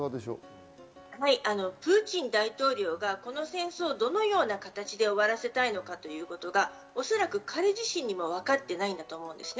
プーチン大統領がこの戦争をどのような形で終わらせたいのかということがおそらく彼自身にもわかっていないと思うんです。